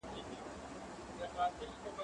زه اوس نان خورم